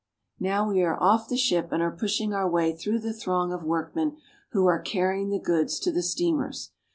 Now we are off the ship and are pushing our way through the throng of workmen who are carrying the goods to the steamers.